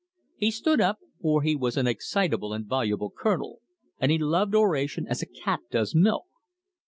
He stood up, for he was an excitable and voluble Colonel, and he loved oration as a cat does milk.